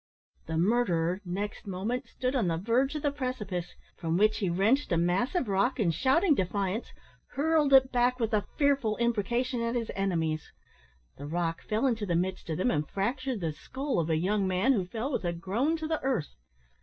The murderer, next moment, stood on the verge of the precipice, from which he wrenched a mass of rock, and, shouting defiance, hurled it back, with a fearful imprecation, at his enemies. The rock fell into the midst of them, and fractured the skull of a young man, who fell with a groan to the earth.